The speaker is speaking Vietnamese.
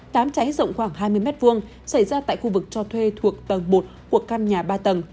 đám cháy rộng khoảng hai mươi m hai xảy ra tại khu vực cho thuê thuộc tầng một của căn nhà ba tầng